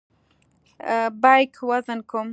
بیک وزن کوم.